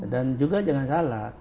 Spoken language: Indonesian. dan juga jangan salah